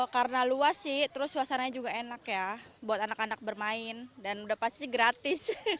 karena luas sih terus suasananya juga enak ya buat anak anak bermain dan udah pasti gratis